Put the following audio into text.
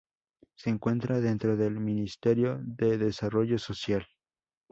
Se encuentra dentro del Ministerio de Desarrollo Social.